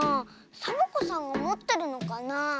サボ子さんがもってるのかなあ。